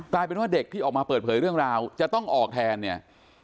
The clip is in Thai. กลายเป็นว่าเด็กที่ออกมาเปิดเผยเรื่องราวจะต้องออกแทนเนี่ย